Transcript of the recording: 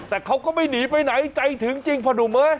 แต่เขาก็ไม่หนีไปไหนใจถึงจริงพ่อหนุ่มเอ้ย